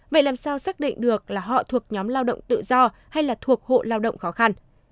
vậy làm sao xác định được là họ thuộc nhóm lao động tự do hay là thuộc hộ lao động khó khăn